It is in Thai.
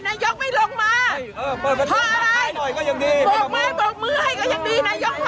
นายยกอย่างน้อยบอกทำไมละบอกไหมบอกมือร่างดี